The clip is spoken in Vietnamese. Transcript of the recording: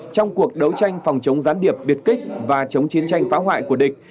trong cuộc đấu tranh phòng chống gián điệp biệt kích và chống chiến tranh phá hoại của địch